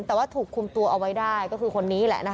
เพราะถูกทำร้ายเหมือนการบาดเจ็บเนื้อตัวมีแผลถลอก